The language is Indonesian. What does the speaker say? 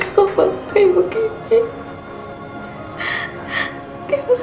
bagaimana saya bisa menemukan pak sumarno